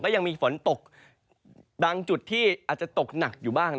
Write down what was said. ยังมีฝนตกบางจุดที่อาจจะตกหนักอยู่บ้าง